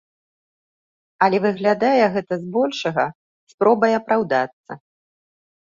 Але выглядае гэта збольшага спробай апраўдацца.